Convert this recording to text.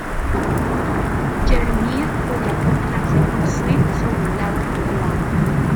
Jeremiah debía encontrarse con Sweet sobre un lago congelado.